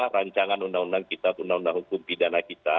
rancangan undang undang kita undang undang hukum pidana kita